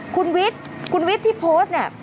คุณวิทย์ที่โพสต์นี่